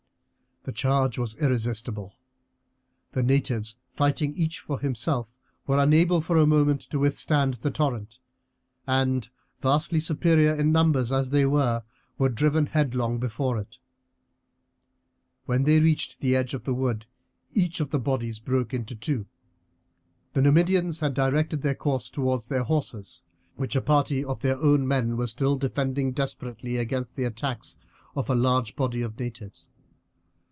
The charge was irresistible. The natives, fighting each for himself, were unable for a moment to withstand the torrent, and, vastly superior in numbers as they were, were driven headlong before it. When they reached the edge of the wood each of the bodies broke into two. The Numidians had directed their course towards their horses, which a party of their own men were still defending desperately against the attacks of a large body of natives.